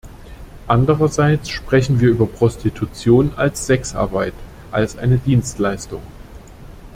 Andererseits sprechen wir über Prostitution als "Sexarbeit", als eine Dienstleistung.